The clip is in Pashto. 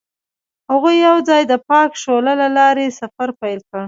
هغوی یوځای د پاک شعله له لارې سفر پیل کړ.